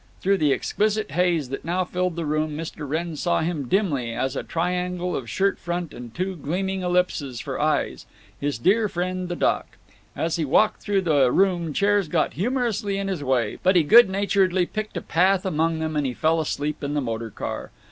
Through the exquisite haze that now filled the room Mr. Wrenn saw him dimly, as a triangle of shirt front and two gleaming ellipses for eyes…. His dear friend, the Doc!… As he walked through the room chairs got humorously in his way, but he good naturedly picked a path among them, and fell asleep in the motor car.